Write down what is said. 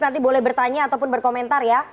nanti boleh bertanya ataupun berkomentar ya